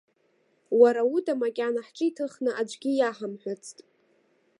Уара уда макьана ҳҿы иҭыхны аӡәгьы иаҳамҳәацт.